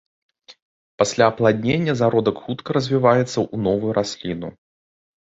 Пасля апладнення зародак хутка развіваецца ў новую расліну.